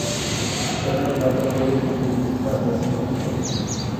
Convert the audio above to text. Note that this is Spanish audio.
Cada planta puede producir hasta cinco flores.